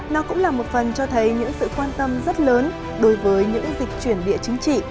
nó cũng là một phần cho thấy những sự quan tâm rất lớn đối với những dịch chuyển địa chính trị